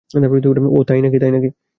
ওহ, তাই না-কি?